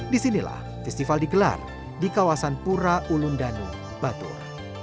di sinilah festival digelar di kawasan pura ulundanu batur